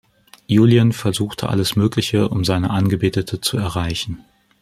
Julien versucht alles Mögliche, um seine Angebetete zu erreichen.